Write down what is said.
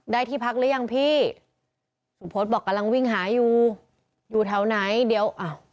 ได้ที่พักหรือยังพี่สุพธบอกกำลังวิ่งหาอยู่อยู่แถวไหนเดี๋ยวอ้าว